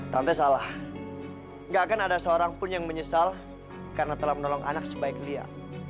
tante salah gak akan ada seorang pun yang menyesal karena telah menolong anak sebaik dia